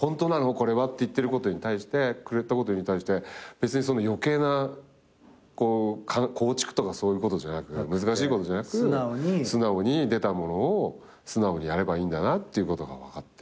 これは」って言ってくれたことに対して別にその余計な構築とかそういうことじゃなく難しいことじゃなく素直に出たものを素直にやればいいんだなっていうことが分かって。